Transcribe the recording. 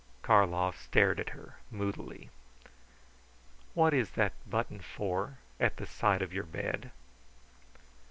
Karlov stared at her, moodily. "What is that button for, at the side of your bed?"